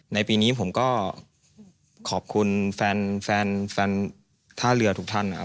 ในปีนี้ผมก็ขอบคุณแฟนท่าเรือทุกท่านนะครับ